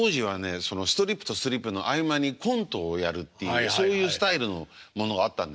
そのストリップとストリップの合間にコントをやるっていうそういうスタイルのものがあったんですよ。